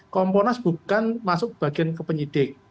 komponas bukan masuk bagian ke penyidik